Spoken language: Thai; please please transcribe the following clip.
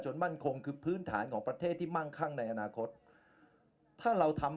มั่นคงคือพื้นฐานของประเทศที่มั่งคั่งในอนาคตถ้าเราทำ